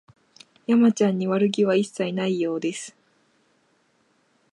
山ちゃんに悪気は一切ないようです